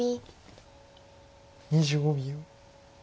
２５秒。